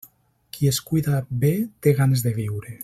Qui es cuida bé, té ganes de viure.